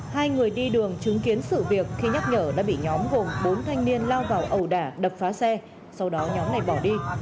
hai người đi đường chứng kiến sự việc khi nhắc nhở đã bị nhóm gồm bốn thanh niên lao vào ẩu đả đập phá xe sau đó nhóm này bỏ đi